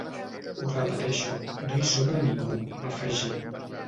Ho repeteixo: no hi sobra ningú, va afegir.